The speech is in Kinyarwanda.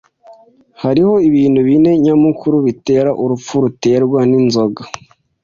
Hariho ibintu bine nyamukuru bitera urupfu ruterwa n'inzoga.